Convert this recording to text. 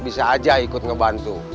bisa aja ikut ngebantu